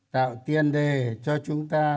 tạo tiên đề cho chúng ta